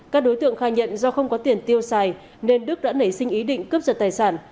các đối tượng khai nhận do không có tiền tiêu xài nên đức đã nảy sinh ý định cướp giật tài sản